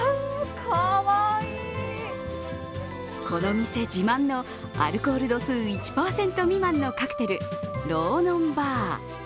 この店自慢のアルコール度数１％未満のカクテル、ローノンバー。